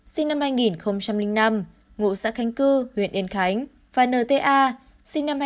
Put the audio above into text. sinh năm hai nghìn năm ngụ xã khánh cư huyện yên khánh và nta sinh năm hai nghìn